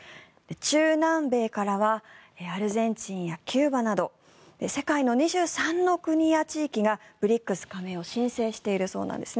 中南米からはアルゼンチンやキューバなど世界の２３の国や地域がＢＲＩＣＳ加盟を申請しているそうなんです。